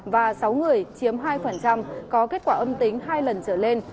và sáu người chiếm hai có kết quả âm tính hai lần trở lên